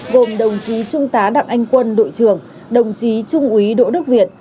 gồm đồng chí trung tá đặng anh quân đội trưởng đồng chí trung úy đỗ đức việt